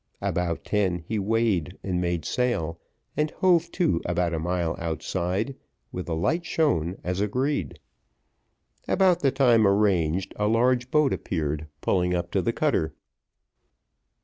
About ten, he weighed and made sail, and hove to about a mile outside, with a light shown as agreed. About the time arranged, a large boat appeared pulling up to the cutter.